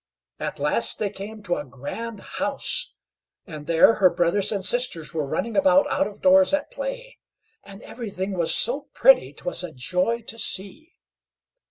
At last they came to a grand house, and there her brothers and sisters were running about out of doors at play, and everything was so pretty, 'twas a joy to see.